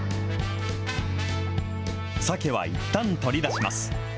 サケはいったん取り出します。